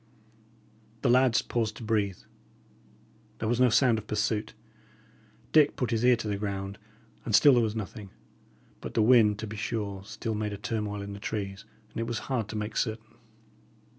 The lads paused to breathe. There was no sound of pursuit. Dick put his ear to the ground, and still there was nothing; but the wind, to be sure, still made a turmoil in the trees, and it was hard to make certain.